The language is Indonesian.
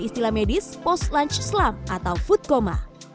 istilah medis post lungeslam atau foodcomma